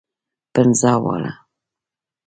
پنځه واړه.